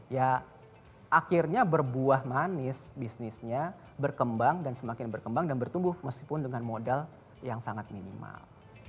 ya akhirnya berbuah manis bisnisnya berkembang dan semakin berkembang dan bertumbuh meskipun dengan modal yang sangat minimal